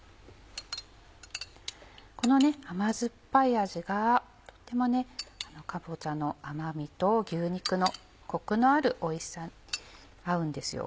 このね甘酸っぱい味がとってもかぼちゃの甘みと牛肉のコクのあるおいしさに合うんですよ。